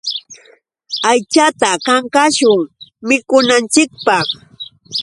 Aychata kankashun mikunanchikpaq.